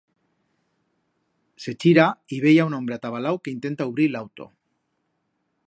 Se chira y vei a un hombre atabalau que intenta ubrir l'auto.